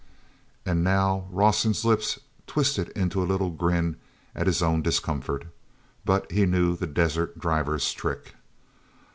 And now Rawson's lips twisted into a little grin at his own discomfort—but he knew the desert driver's trick.